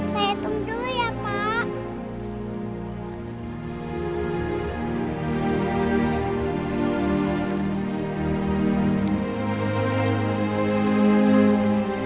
saya tunggu ya pak